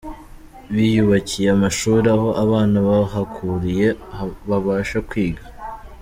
biyubakiye amashuri aho abana bahakuriye babasha kwiga.